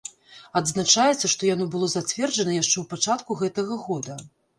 Адзначаецца, што яно было зацверджана яшчэ ў пачатку гэтага года.